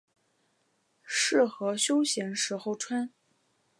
适合休闲时候穿。